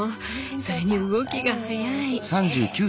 それに動きが早い！